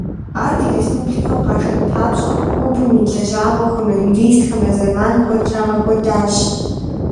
Ар ди республикэм къашэн папщӀэ, клубым и лэжьакӀуэхэмрэ юристхэмрэ зэман куэд трагъэкӀуэдащ.